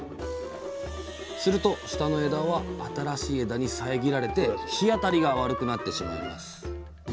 すると下の枝は新しい枝に遮られて日当たりが悪くなってしまいます。